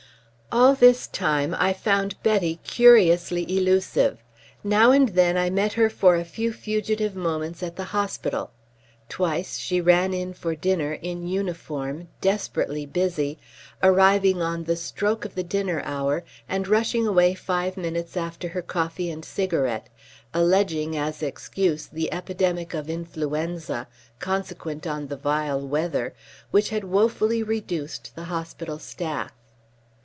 All this time I found Betty curiously elusive. Now and then I met her for a few fugitive moments at the hospital. Twice she ran in for dinner, in uniform, desperately busy, arriving on the stroke of the dinner hour and rushing away five minutes after her coffee and cigarette, alleging as excuse the epidemic of influenza, consequent on the vile weather, which had woefully reduced the hospital staff.